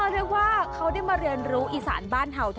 เรียกว่าเขาได้มาเรียนรู้อีสานบ้านเห่าเธอ